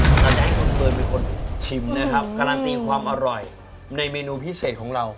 เราจะให้คุณเฟิร์นเป็นคนชิมนะครับการันตีความอร่อยในเมนูพิเศษของเรา